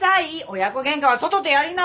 親子げんかは外でやりな！